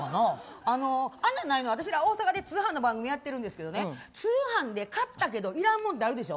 私ら大阪で通販の番組やってるんですけど通販で買ったけどいらんものってあるでしょ。